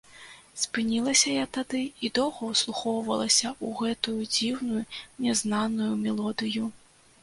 Спынілася я тады і доўга ўслухоўвалася ў гэтую дзіўную, нязнаную мелодыю.